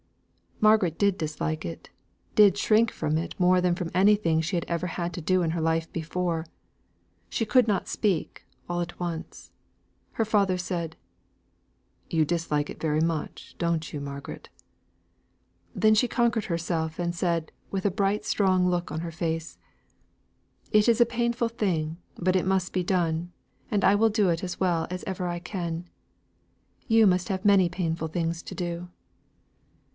Margaret did dislike it, did shrink from it more than from anything she had ever had to do in her life before. She could not speak, all at once. Her father said, "You dislike it very much don't you, Margaret?" Then she conquered herself, and said, with a bright strong look on her face: "It is a painful thing, but it must be done, and I will do it as well as ever I can. You must have many painful things to do."